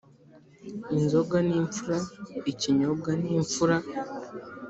Inzoga ni imfura ikanyobwa n’imfura.